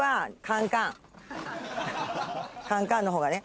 カンカンのほうがね